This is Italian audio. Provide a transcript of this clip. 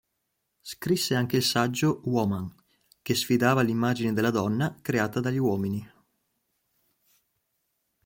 Scrisse anche il saggio “Woman,” che sfidava l'immagine della donna creata dagli uomini.